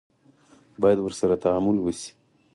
باید ورسره تعامل وشي.